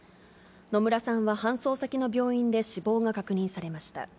野村さんは搬送先の病院で死亡が確認されました。